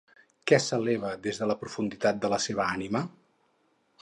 Què s'eleva des de la profunditat de la seva ànima?